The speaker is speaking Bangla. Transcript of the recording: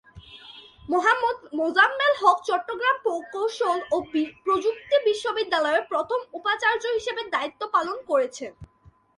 মোহাম্মদ মোজাম্মেল হক চট্টগ্রাম প্রকৌশল ও প্রযুক্তি বিশ্ববিদ্যালয়ের প্রথম উপাচার্য হিসেবে দায়িত্ব পালন করেছেন।